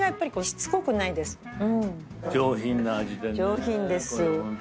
上品です。